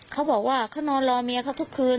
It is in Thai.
เขาบอกว่าเขานอนรอเมียเขาทุกคืน